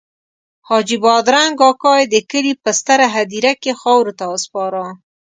حاجي بادرنګ اکا یې د کلي په ستره هدیره کې خاورو ته وسپاره.